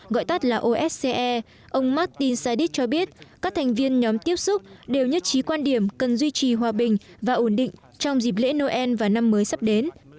gọi tắt là osce ông martin sadich cho biết các thành viên nhóm tiếp xúc đều nhất trí quan điểm cần duy trì hòa bình và ổn định trong dịp lễ noel và năm mới sắp đến